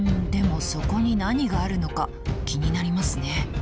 でもそこに何があるのか気になりますね。